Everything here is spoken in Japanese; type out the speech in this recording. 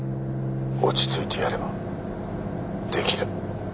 落ち着いてやればできる。